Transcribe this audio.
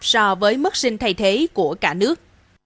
so với mức sinh thay thế của cả nước